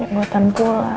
yang buatan gue lah